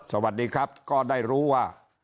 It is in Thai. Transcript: สวัสดีครับก็ได้รู้ว่า